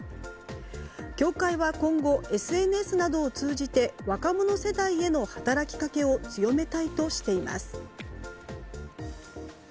協会は今後、ＳＮＳなどを通じて若者世代への働きかけを強めたいとしています。